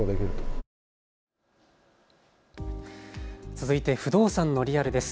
続いて不動産のリアルです。